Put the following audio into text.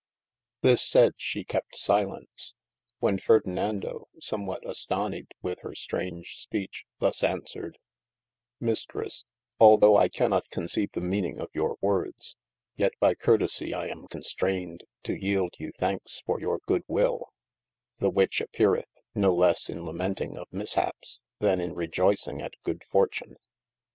This sayd, she kept silence : When Ferdinando (somwhat astonied with hir straunge speech) thus answered : Mistresse although I cannot conceive the meaning of your woordes, yet by curtesie I am constrayned to yeelde you thankes for your good wil, the which appeareth no lesse in lamenting of mishappes, than in rejoycing at good fortune.